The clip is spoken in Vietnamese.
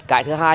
cái thứ hai